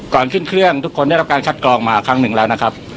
ก่อนขึ้นเครื่องทุกคนได้รับการคัดกรองมาครั้งหนึ่งแล้วนะครับ